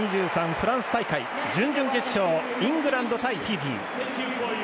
フランス大会、準々決勝イングランド対フィジー。